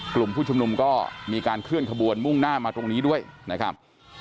กลุ่มผู้ชุมนุมก็มีการเคลื่อนขบวนมุ่งหน้ามาตรงนี้ด้วยนะครับ